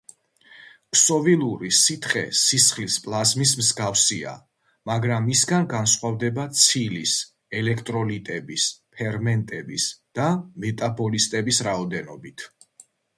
ქსოვილური სითხე სისხლის პლაზმის მსგავსია, მაგრამ მისგან განსხვავდება ცილის, ელექტროლიტების, ფერმენტების და მეტაბოლისტების რაოდენობით.